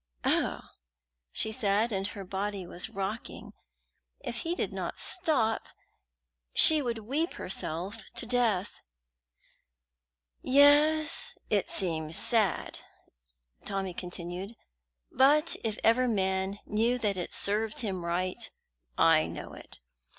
"Oh!" she cried, and her body was rocking. If he did not stop, she would weep herself to death. "Yes, it seems sad," Tommy continued; "but if ever man knew that it served him right, I know it.